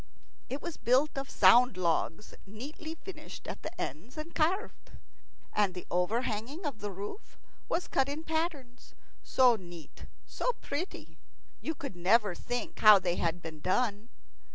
It was built of sound logs, neatly finished at the ends and carved. And the overhanging of the roof was cut in patterns, so neat, so pretty, you could never think how they had been done.